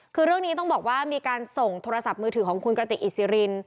คือเรื่องนี้ต้องบอกว่ามีการส่งโทรศัพท์มือถือของคุณกระติกอิซิริน